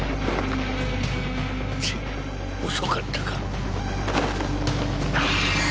ちっ遅かったか。